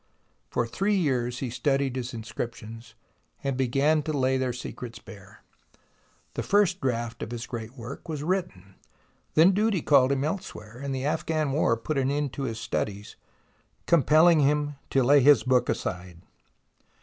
For three years he studied his inscriptions, and began to lay their secrets bare. The first draft of his great work was written. Then duty called him elsewhere, and the Afghan War put an end to his studies, compelling him to lay his book aside.